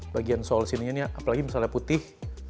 bagian sol sininya nih apalagi misalnya putih